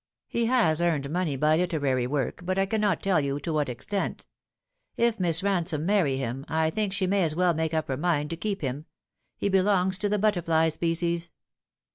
He has earned money by literary work, but I cannot tell you to what extent. If Miss Eansome marry him, I think she may as well make up her mind to keep him. He belongs to the butterfly species."